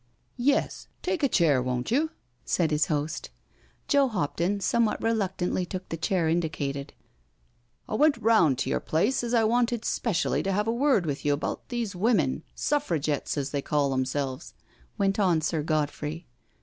" Yes, take a chair, won't you?" said his host. Joe Hopton somewhat reluctantly took the chair indicated. " I went round to your place as I wanted specially to have a word with you about these women. Suffra gettes as they call themselves," went on Sir Godfrey.